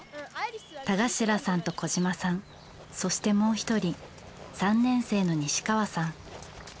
田頭さんと小嶋さんそしてもう１人３年生の西川さん。